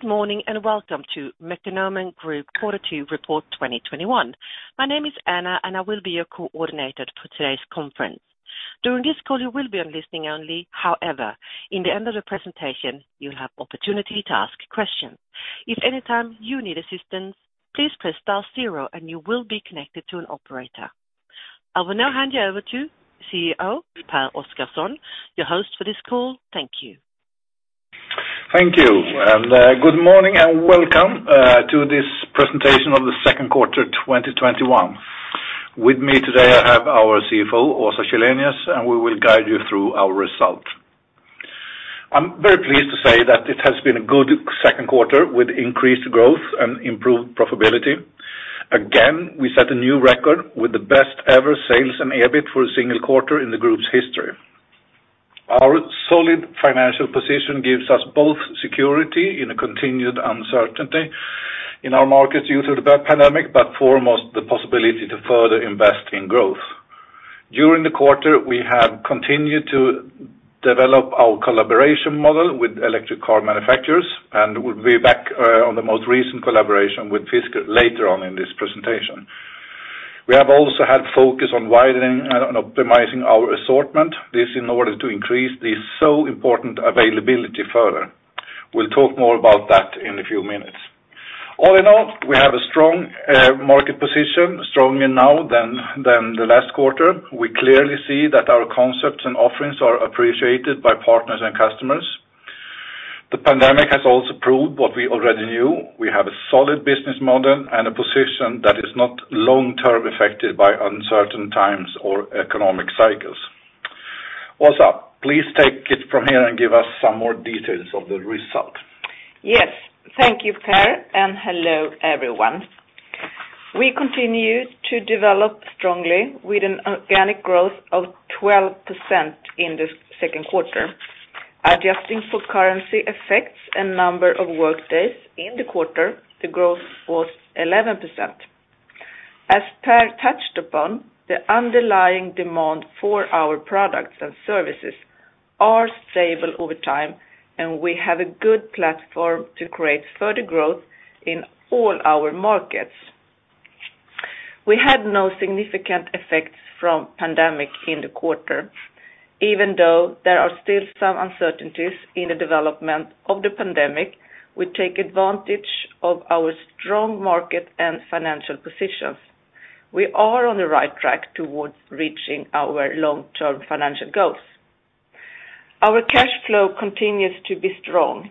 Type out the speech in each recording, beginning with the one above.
Good morning. Welcome to Mekonomen Group Quarter Two Report 2021. My name is Anna. I will be your coordinator for today's conference. During this call, you will be on listening only. However, in the end of the presentation, you'll have opportunity to ask questions. If anytime you need assistance, please press star zero and you will be connected to an operator. I will now hand you over to CEO, Pehr Oscarson, your host for this call. Thank you. Thank you. Good morning, and welcome to this presentation of the second quarter 2021. With me today, I have our CFO, Åsa Källenius, and we will guide you through our result. I'm very pleased to say that it has been a good second quarter with increased growth and improved profitability. Again, we set a new record with the best ever sales and EBIT for a single quarter in the group's history. Our solid financial position gives us both security in a continued uncertainty in our markets due to the pandemic, but foremost, the possibility to further invest in growth. During the quarter, we have continued to develop our collaboration model with electric car manufacturers, and we'll be back on the most recent collaboration with Fisker later on in this presentation. We have also had focus on widening and optimizing our assortment. This in order to increase this so important availability further. We'll talk more about that in a few minutes. All in all, we have a strong market position, stronger now than the last quarter. We clearly see that our concepts and offerings are appreciated by partners and customers. The pandemic has also proved what we already knew. We have a solid business model and a position that is not long-term affected by uncertain times or economic cycles. Åsa, please take it from here and give us some more details of the result. Yes. Thank you, Pehr, and hello, everyone. We continue to develop strongly with an organic growth of 12% in the second quarter. Adjusting for currency effects and number of workdays in the quarter, the growth was 11%. As Pehr touched upon, the underlying demand for our products and services are stable over time, and we have a good platform to create further growth in all our markets. We had no significant effects from pandemic in the quarter. Even though there are still some uncertainties in the development of the pandemic, we take advantage of our strong market and financial positions. We are on the right track towards reaching our long-term financial goals. Our cash flow continues to be strong.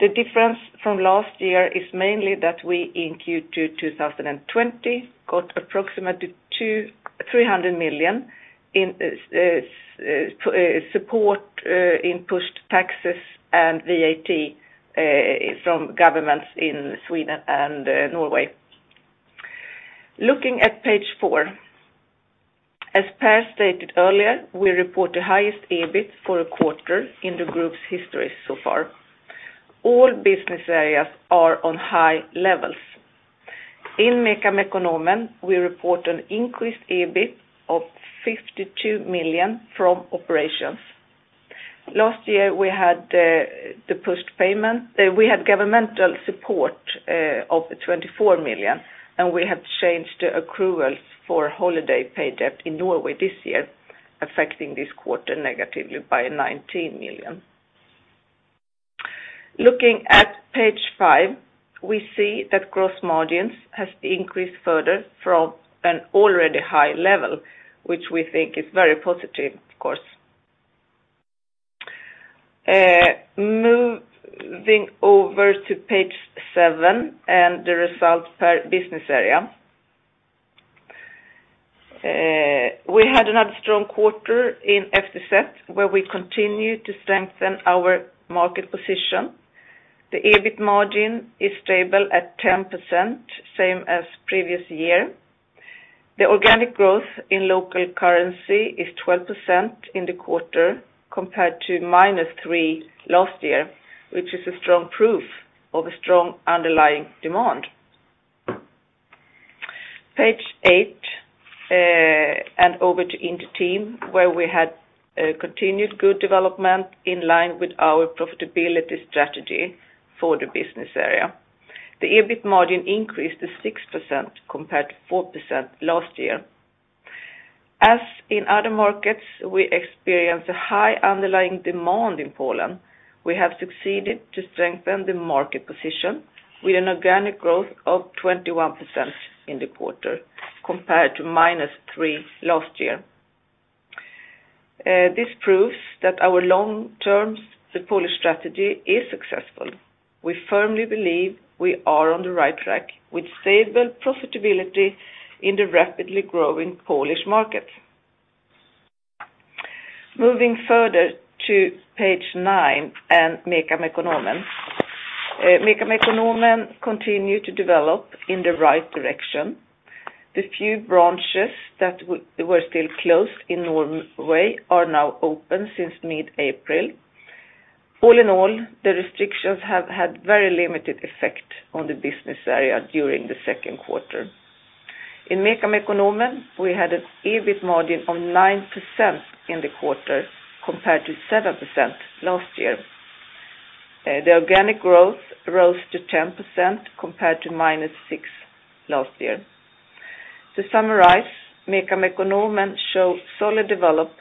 The difference from last year is mainly that we, in Q2 2020, got approximately 300 million in support in pushed taxes and VAT from governments in Sweden and Norway. Looking at page 4. As Pehr Oscarson stated earlier, we report the highest EBIT for a quarter in the group's history so far. All business areas are on high levels. In Mekonomen, we report an increased EBIT of 52 million from operations. Last year, we had governmental support of 24 million, and we have changed the accruals for holiday pay debt in Norway this year, affecting this quarter negatively by 19 million. Looking at page 5, we see that gross margin has increased further from an already high level, which we think is very positive, of course. Moving over to page 7 and the results per business area. We had another strong quarter in FTZ where we continued to strengthen our market position. The EBIT margin is stable at 10%, same as previous year. The organic growth in local currency is 12% in the quarter compared to -3% last year, which is a strong proof of a strong underlying demand. Page 8, over to Inter-Team, where we had a continued good development in line with our profitability strategy for the business area. The EBIT margin increased to 6% compared to 4% last year. As in other markets, we experienced a high underlying demand in Poland. We have succeeded to strengthen the market position with an organic growth of 21% in the quarter compared to -3% last year. This proves that our long-term support strategy is successful. We firmly believe we are on the right track with stable profitability in the rapidly growing Polish market. Moving further to page 9 and Mekonomen. Mekonomen continue to develop in the right direction. The few branches that were still closed in Norway are now open since mid-April. All in all, the restrictions have had very limited effect on the business area during the second quarter. In MECA Mekonomen, we had an EBIT margin of 9% in the quarter compared to 7% last year. The organic growth rose to 10% compared to -6% last year. To summarize, MEKO Mekonomen show solid development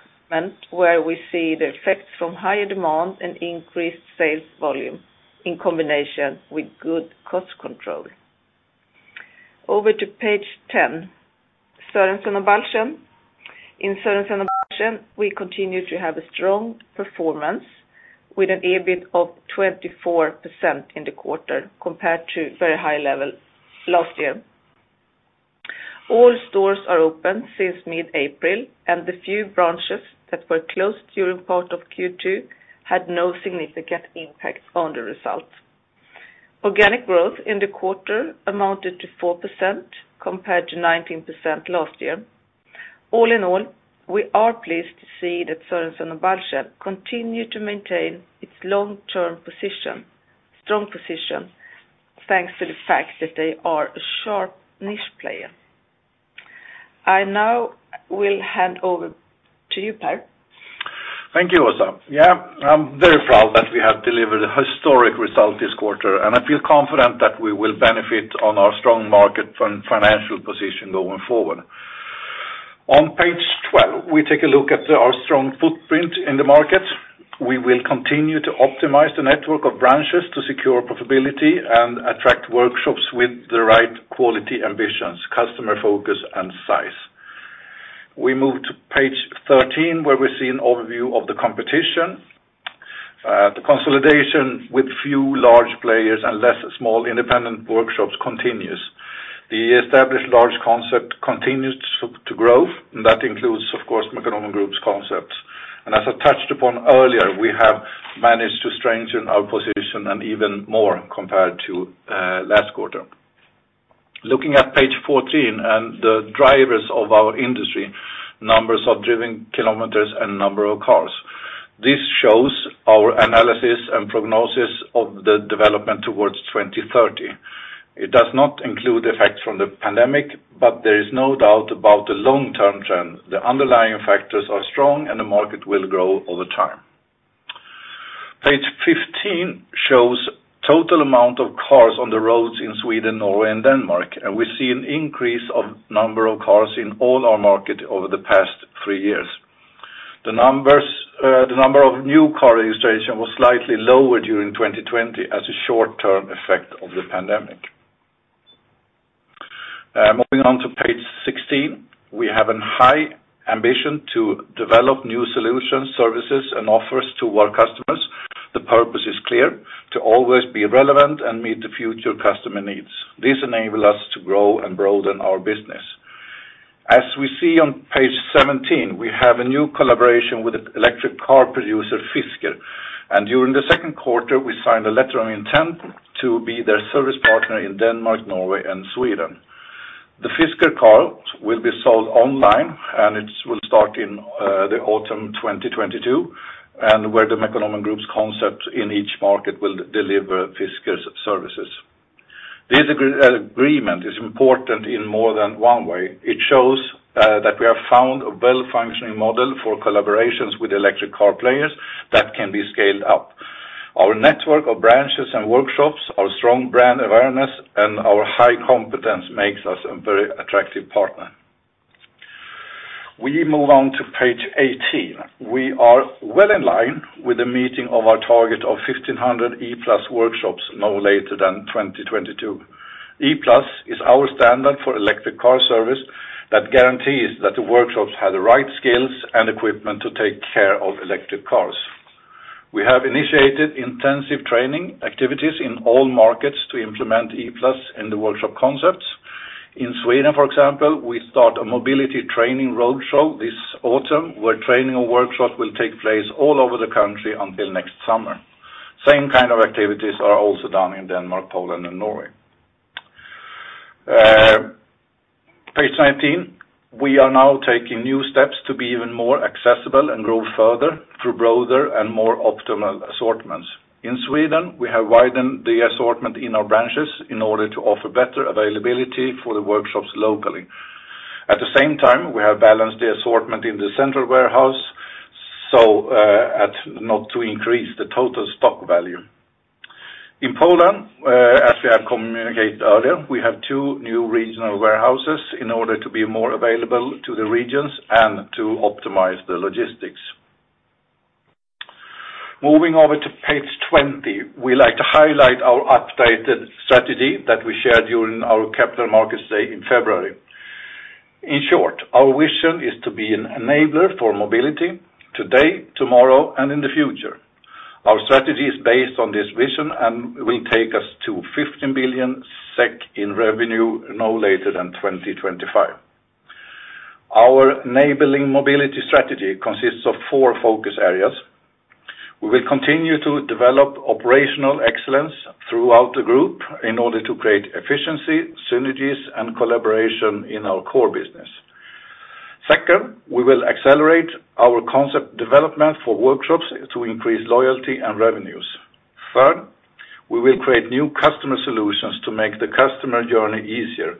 where we see the effects from higher demand and increased sales volume in combination with good cost control. Over to page 10, Sørensen og Balchen. In Sørensen og Balchen we continue to have a strong performance with an EBIT of 24% in the quarter compared to very high level last year. All stores are open since mid-April, and the few branches that were closed during part of Q2 had no significant impact on the result. Organic growth in the quarter amounted to 4% compared to 19% last year. All in all, we are pleased to see that Sørensen og Balchen continue to maintain its long-term strong position, thanks to the fact that they are a sharp niche player. I now will hand over to you, Pehr. Thank you, Åsa Källenius. I'm very proud that we have delivered a historic result this quarter, I feel confident that we will benefit on our strong market and financial position going forward. On page 12, we take a look at our strong footprint in the market. We will continue to optimize the network of branches to secure profitability and attract workshops with the right quality ambitions, customer focus, and size. We move to page 13 where we see an overview of the competition. The consolidation with few large players and less small independent workshops continues. The established large concept continues to grow, that includes, of course, Mekonomen Group's concepts. As I touched upon earlier, we have managed to strengthen our position and even more compared to last quarter. Looking at page 14 and the drivers of our industry, numbers of driven kilometers and number of cars. This shows our analysis and prognosis of the development towards 2030. It does not include effects from the pandemic. There is no doubt about the long-term trend. The underlying factors are strong. The market will grow over time. Page 15 shows total amount of cars on the roads in Sweden, Norway, and Denmark. We see an increase of number of cars in all our market over the past three years. The number of new car registration was slightly lower during 2020 as a short-term effect of the pandemic. Moving on to page 16, we have a high ambition to develop new solutions, services, and offers to our customers. The purpose is clear. To always be relevant and meet the future customer needs. This enable us to grow and broaden our business. As we see on page 17, we have a new collaboration with the electric car producer Fisker. During the second quarter, we signed a letter of intent to be their service partner in Denmark, Norway, and Sweden. The Fisker car will be sold online. It will start in the autumn 2022, where the Mekonomen Group's concept in each market will deliver Fisker's services. This agreement is important in more than one way. It shows that we have found a well-functioning model for collaborations with electric car players that can be scaled up. Our network of branches and workshops, our strong brand awareness, and our high competence makes us a very attractive partner. We move on to page 18. We are well in line with the meeting of our target of 1,500 E+ workshops no later than 2022. E+ is our standard for electric car service that guarantees that the workshops have the right skills and equipment to take care of electric cars. We have initiated intensive training activities in all markets to implement E+ in the workshop concepts. In Sweden, for example, we start a mobility training roadshow this autumn where training or workshop will take place all over the country until next summer. Same kind of activities are also done in Denmark, Poland, and Norway. Page 19. We are now taking new steps to be even more accessible and grow further through broader and more optimal assortments. In Sweden, we have widened the assortment in our branches in order to offer better availability for the workshops locally. At the same time, we have balanced the assortment in the central warehouse, so as not to increase the total stock value. In Poland, as we have communicated earlier, we have two new regional warehouses in order to be more available to the regions and to optimize the logistics. Moving over to page 20, we like to highlight our updated strategy that we shared during our Capital Markets Day in February. In short, our vision is to be an enabler for mobility today, tomorrow, and in the future. Our strategy is based on this vision and will take us to 15 billion SEK in revenue no later than 2025. Our enabling mobility strategy consists of four focus areas. We will continue to develop operational excellence throughout the group in order to create efficiency, synergies, and collaboration in our core business. Second, we will accelerate our concept development for workshops to increase loyalty and revenues. Third, we will create new customer solutions to make the customer journey easier.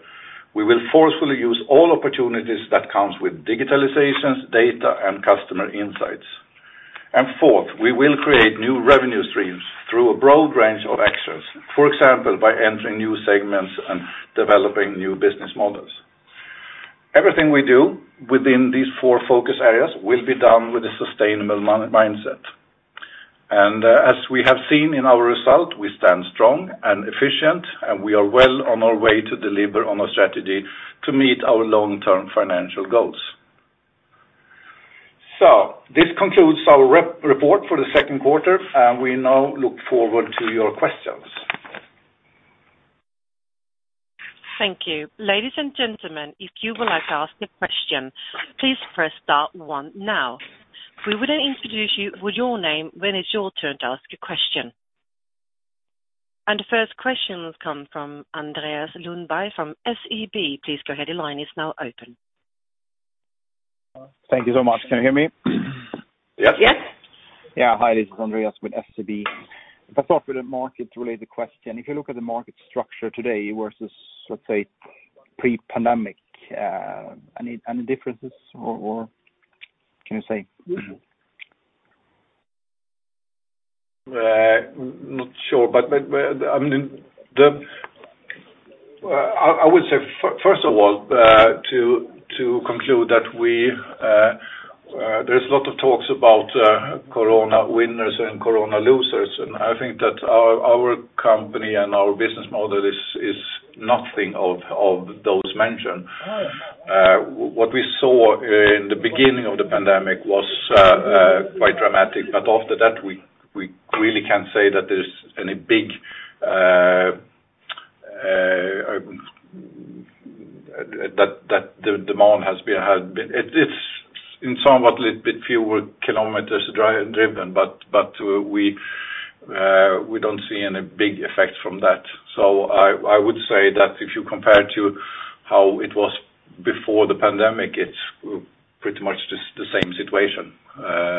We will forcefully use all opportunities that comes with digitalizations, data, and customer insights. Fourth, we will create new revenue streams through a broad range of actions. For example, by entering new segments and developing new business models. Everything we do within these four focus areas will be done with a sustainable mindset. As we have seen in our result, we stand strong and efficient, and we are well on our way to deliver on our strategy to meet our long-term financial goals. This concludes our report for the second quarter, and we now look forward to your questions. Thank you. Ladies and gentlemen, if you would like to ask a question, please press star one now. We will introduce you with your name when it's your turn to ask a question. First question comes from Andreas Lundberg from SEB. Please go ahead. The line is now open. Thank you so much. Can you hear me? Yes. Yes. Yeah. Hi, this is Andreas with SEB. If I start with a market-related question. If you look at the market structure today versus, let's say, pre-pandemic, any differences, or what can you say? Not sure but I would say, first of all, to conclude that there's a lot of talks about corona winners and corona losers, and I think that our company and our business model is nothing of those mentioned. What we saw in the beginning of the pandemic was quite dramatic. After that, we really can say that the demand has been high. It's somewhat a little bit fewer kilometers driven, but we don't see any big effect from that. I would say that if you compare to how it was before the pandemic, it's pretty much just the same situation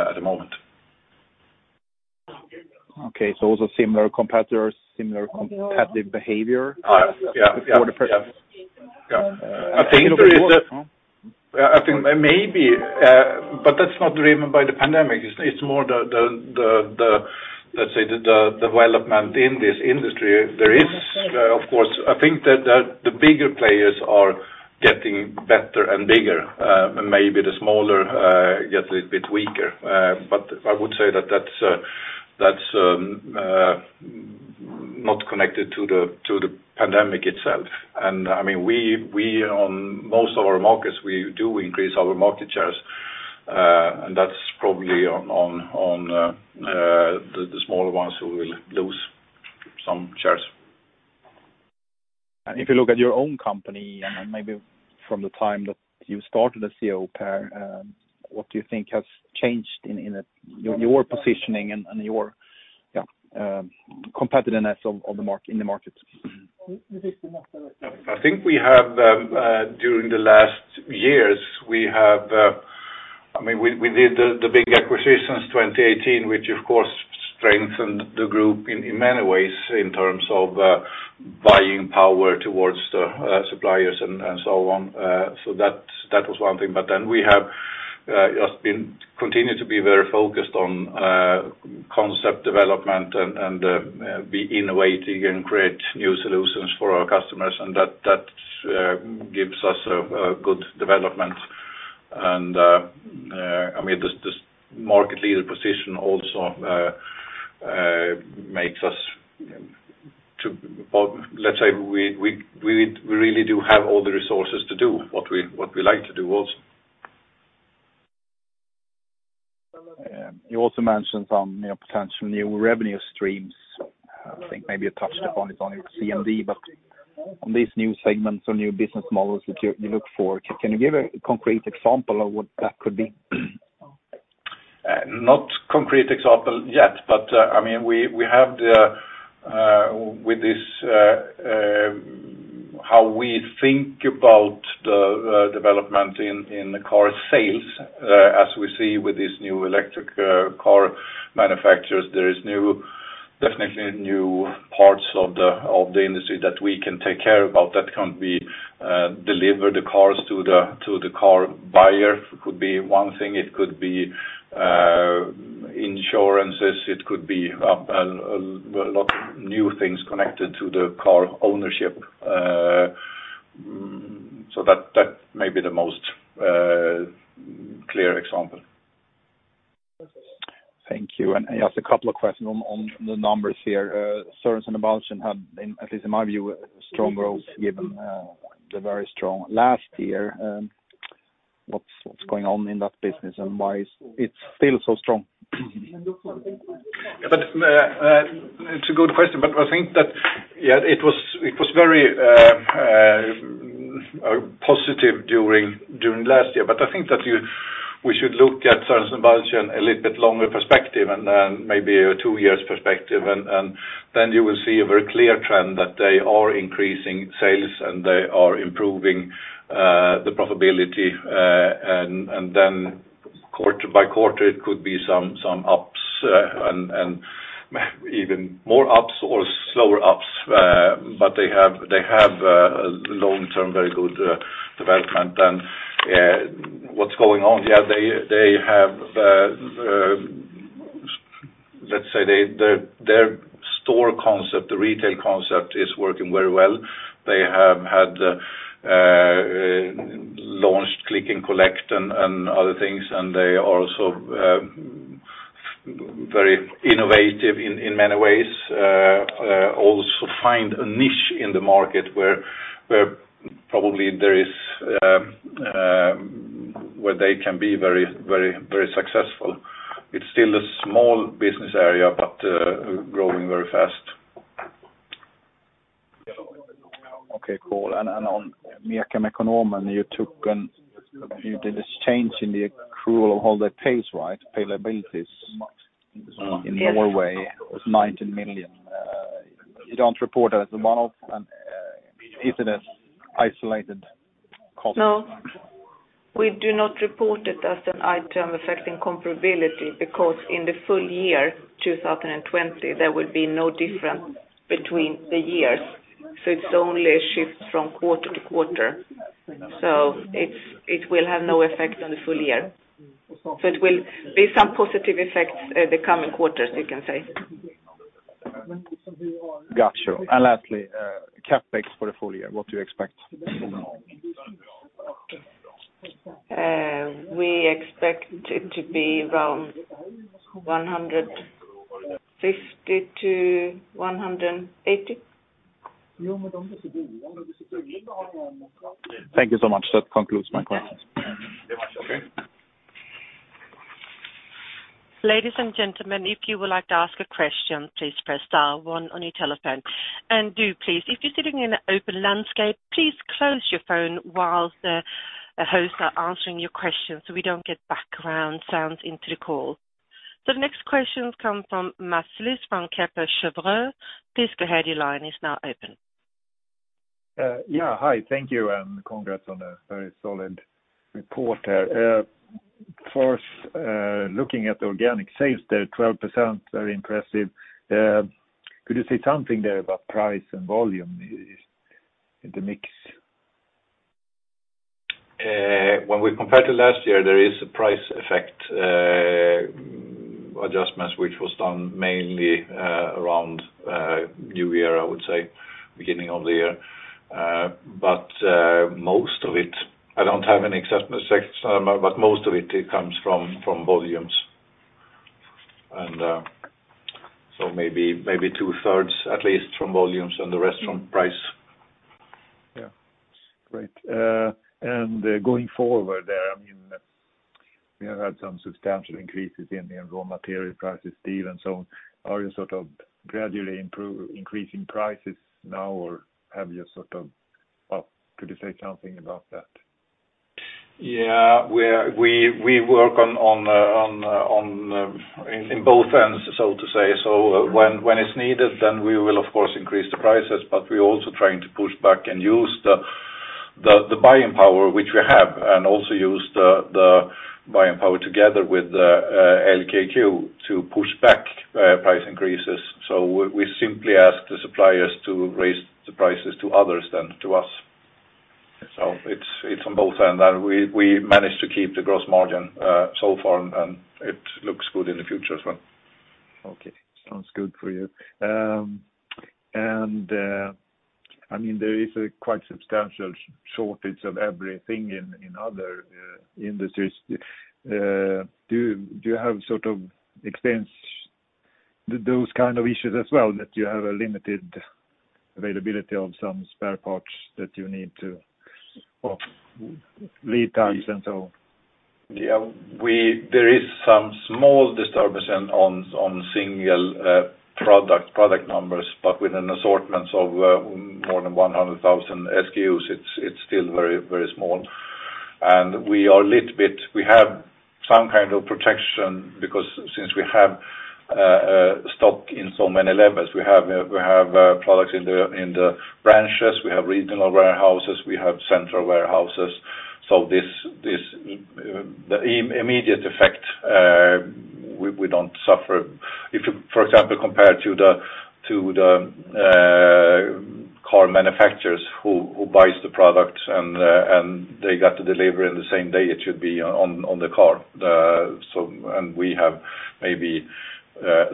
at the moment. Okay. Also similar competitors, similar competitive behavior? Yeah. Before the pandemic. Yeah. I think maybe, that's not driven by the pandemic. It's more the, let's say, the development in this industry. There is, of course, I think that the bigger players are getting better and bigger. Maybe the smaller get a little bit weaker. I would say that's not connected to the pandemic itself. We, on most of our markets, we do increase our market shares, and that's probably on the smaller ones who will lose some shares. If you look at your own company and maybe from the time that you started as CEO, Pehr. What do you think has changed in your positioning and your competitiveness in the market? I think during the last years, we did the big acquisitions 2018, which of course strengthened the group in many ways in terms of buying power towards the suppliers and so on. That was one thing. We have just continued to be very focused on concept development and be innovating and create new solutions for our customers. That gives us a good development. This market leader position also makes us, let's say, we really do have all the resources to do what we like to do also. You also mentioned some potential new revenue streams. I think maybe you touched upon it on your CMD, on these new segments or new business models that you look for, can you give a concrete example of what that could be? Not concrete example yet, but we have with this how we think about the development in the car sales. As we see with these new electric car manufacturers, there is definitely new parts of the industry that we can take care about that can be deliver the cars to the car buyer. It could be one thing, it could be insurances, it could be a lot of new things connected to the car ownership. That may be the most clear example. Thank you. Just a couple questions on the numbers here. Service and operations had, at least in my view, a strong growth given the very strong last year. What's going on in that business and why is it still so strong? It's a good question, but I think that it was very positive during last year. I think we should look at Sørensen og Balchen a little bit longer perspective, then maybe a two years perspective. Then you will see a very clear trend that they are increasing sales and they are improving the profitability. Then quarter-by-quarter, it could be some ups and even more ups or slower ups. They have a long-term very good development. What's going on? Let's say their store concept, the retail concept, is working very well. They have had launched click and collect and other things, and they are also very innovative in many ways. Also find a niche in the market where they can be very successful. It's still a small business area, but growing very fast. Okay, cool. On Mekonomen, you did this change in the accrual of all the holiday pay debt in Norway. Yes. It was 19 million. You don't report it as a one-off. Is it an isolated cost? No. We do not report it as an item affecting comparability because in the full year 2020, there will be no difference between the years. It only shifts from quarter-to-quarter. It will have no effect on the full year. It will be some positive effects the coming quarters, you can say. Got you. Lastly, CapEx for the full year, what do you expect? We expect it to be around 150-180. Thank you so much. That concludes my questions. Okay. Ladies and gentlemen, if you would like to ask a question, please press star one on your telephone. Do please, if you're sitting in an open landscape, please close your phone while the hosts are answering your questions so we don't get background sounds into the call. The next questions come from Mats Liss from Kepler Cheuvreux. Please go ahead, your line is now open. Yeah. Hi, thank you. Congrats on a very solid report. First, looking at organic sales, 12%, very impressive. Could you say something there about price and volume in the mix? When we compare to last year, there is a price effect adjustments, which was done mainly around New Year, I would say, beginning of the year. I don't have any exact statistics, but most of it comes from volumes. Maybe two-thirds, at least, from volumes and the rest from price. Yeah. Great. Going forward there, we have had some substantial increases in the raw material prices, steel and so on. Are you gradually increasing prices now? Could you say something about that? We work in both ends, so to say. When it's needed, we will, of course, increase the prices, but we're also trying to push back and use the buying power which we have, and also use the buying power together with LKQ to push back price increases. We simply ask the suppliers to raise the prices to others than to us. It's on both ends, and we managed to keep the gross margin so far, and it looks good in the future as well. Okay. Sounds good for you. There is a quite substantial shortage of everything in other industries. Do you have those kind of issues as well, that you have a limited availability of some spare parts? Well, lead times and so on? There is some small disturbance on single product numbers, but with an assortment of more than 100,000 SKUs, it's still very small. We have some kind of protection because since we have stock in so many levels, we have products in the branches, we have regional warehouses, we have central warehouses. The immediate effect, we don't suffer. If you, for example, compare to the car manufacturers who buys the product and they got to deliver in the same day it should be on the car. We have maybe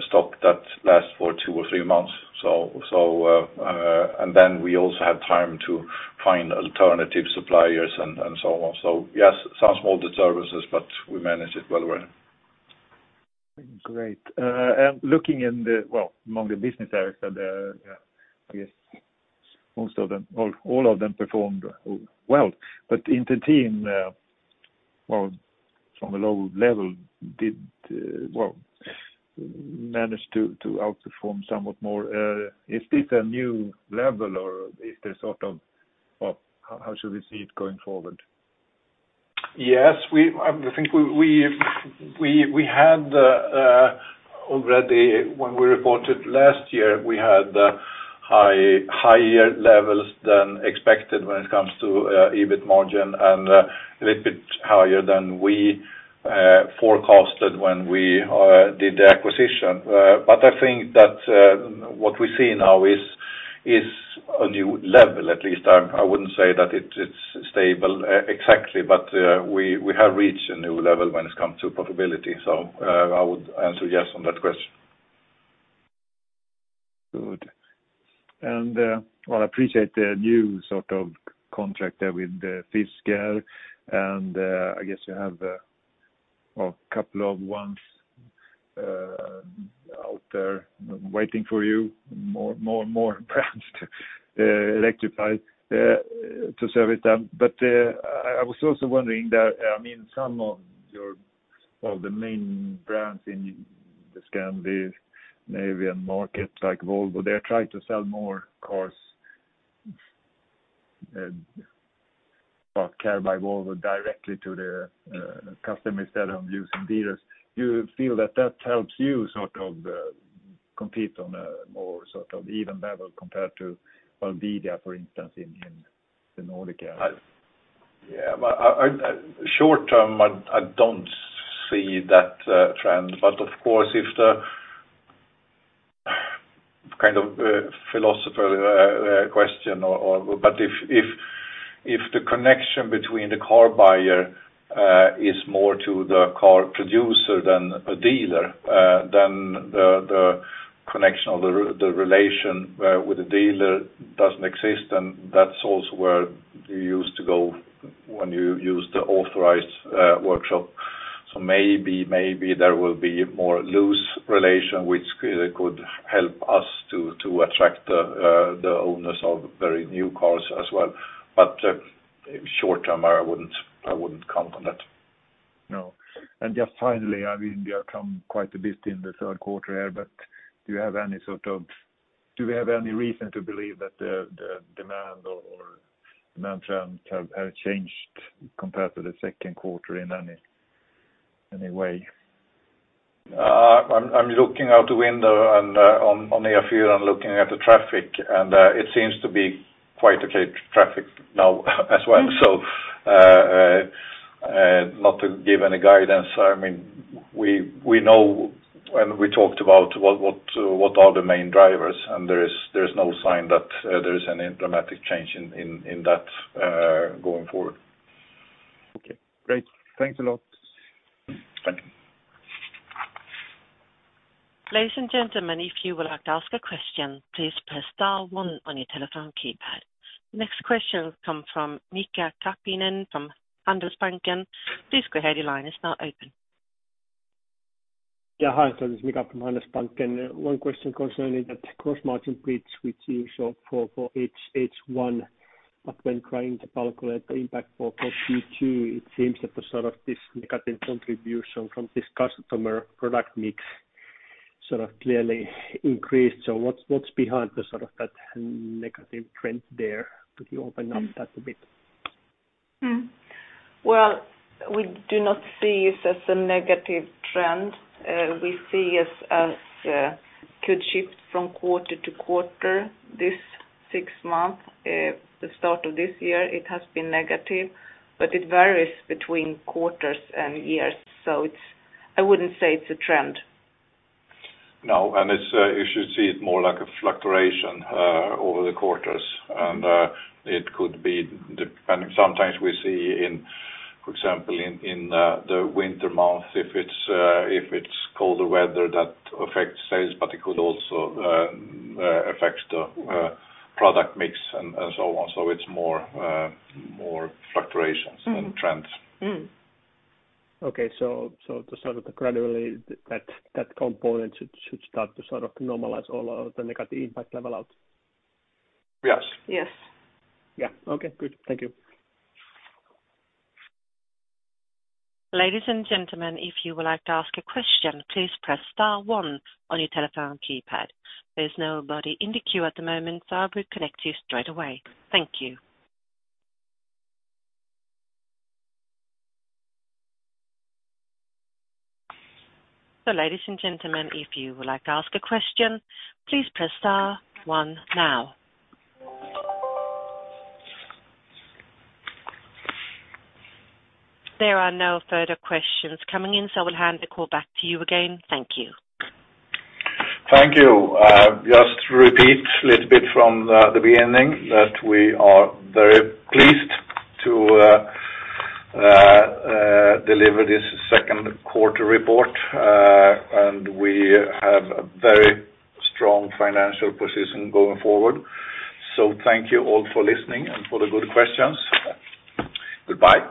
stock that lasts for two or three months. We also have time to find alternative suppliers and so on. Yes, some small disturbances, but we manage it well. Great. Looking among the business areas there, I guess all of them performed well. Inter-Team from a low level did well, managed to outperform somewhat more. Is this a new level or how should we see it going forward? Yes, I think already when we reported last year, we had higher levels than expected when it comes to EBIT margin and a little bit higher than we forecasted when we did the acquisition. I think that what we see now is a new level. At least I wouldn't say that it's stable exactly, but we have reached a new level when it comes to profitability. I would answer yes to that question. Good. Well, I appreciate the new sort of contract there with Fisker and I guess you have a couple of ones out there waiting for you, more brands to electrify to service them. I was also wondering, some of the main brands in the Scandinavian market, like Volvo, they're trying to sell more cars bought Care by Volvo directly to their customers instead of using dealers. Do you feel that helps you sort of compete on a more even level compared to Bilia, for instance, in the Nordics? Yeah. Short term, I don't see that trend, but of course if kind of a philosophical question, but if the connection between the car buyer is more to the car producer than a dealer, then the connection or the relation with the dealer doesn't exist, and that's also where you used to go when you used the authorized workshop. Maybe there will be a more loose relation, which could help us to attract the owners of very new cars as well. Short term, I wouldn't count on that. No. Just finally, we have come quite a bit in the third quarter here, do we have any reason to believe that the demand or demand trends have changed compared to the second quarter in any way? I'm looking out the window on the E4 here and looking at the traffic, and it seems to be quite okay traffic now as well. Not to give any guidance, we know and we talked about what are the main drivers, and there is no sign that there is any dramatic change in that going forward. Okay, great. Thanks a lot. Thank you. Ladies and gentlemen, if you would like to ask a question, please press star one on your telephone keypad. The next question comes from Mika Karppinen from Handelsbanken. Yeah, hi. It's Mika from Handelsbanken. One question concerning that gross margin bits which you show for H1. When trying to calculate the impact for Q2, it seems that the sort of this negative contribution from this customer product mix sort of clearly increased. What's behind the sort of that negative trend there? Could you open up that a bit? Well, we do not see it as a negative trend. We see it as could shift from quarter to quarter. This six months, the start of this year, it has been negative, but it varies between quarters and years. I wouldn't say it's a trend. No, you should see it more like a fluctuation over the quarters. It could be dependent. Sometimes we see, for example, in the winter months, if it's colder weather that affects sales, but it could also affect the product mix and so on. It's more fluctuations than trends. Okay. To start with, gradually that component should start to sort of normalize all of the negative impact level out? Yes. Yes. Yeah. Okay, good. Thank you. Ladies and gentlemen, if you would like to ask a question, please press star one on your telephone keypad. There's nobody in the queue at the moment, so I will connect you straight away. Thank you. So ladies and gentlemen, if you would like to ask a question, please press star one now. There are no further questions coming in, so I will hand the call back to you again. Thank you. Thank you. Just to repeat a little bit from the beginning that we are very pleased to deliver this second quarter report. We have a very strong financial position going forward. Thank you all for listening and for the good questions. Goodbye.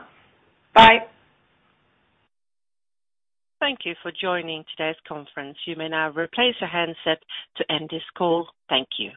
Bye. Thank you for joining today's conference. You may now replace your handset to end this call. Thank you.